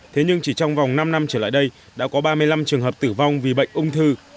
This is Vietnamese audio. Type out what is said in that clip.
thế nhưng chỉ trong vòng năm năm trở lại đây đã có ba mươi năm trường hợp tử vong vì bệnh ung thư